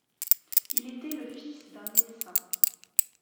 Il était le fils d'un médecin.